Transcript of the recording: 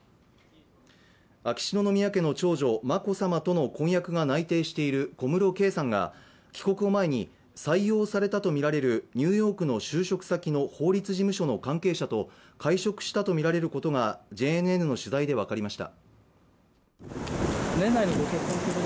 秋篠宮家の長女・眞子さまとの婚約が内定している小室圭さんが帰国を前に採用されたとみられるニューヨークの就職先の法律事務所の関係者と会食したとみられることがＪＮＮの取材で分かりました。